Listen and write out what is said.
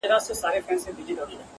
• د ځنګله پاچا ولاړ په احترام سو ,